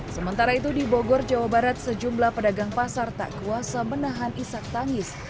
sementara itu di bogor jawa barat sejumlah pedagang pasar tak kuasa menahan isak tangis